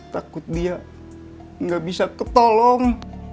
takut dia nggak bisa ketolong